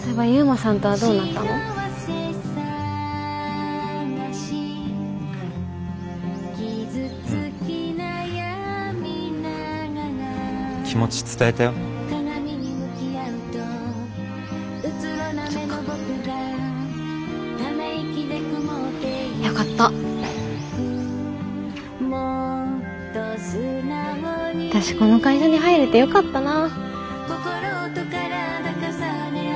私この会社に入れてよかったな。